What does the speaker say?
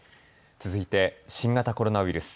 続いて新型コロナウイルス。